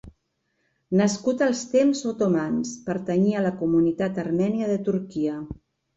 Nascut als temps otomans, pertanyia a la comunitat armènia de Turquia.